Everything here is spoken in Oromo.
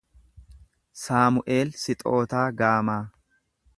Saamu’eel Sixootaa Gaamaa